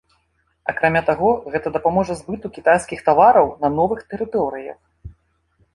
Акрамя таго, гэта дапаможа збыту кітайскіх тавараў на новых тэрыторыях.